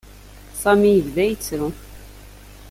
Sami yebda yettru.